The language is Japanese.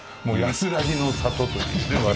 もう安らぎの里というね